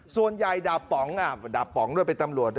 ส่วนใหญ่ดาบป๋องดาบป๋องด้วยเป็นตำรวจ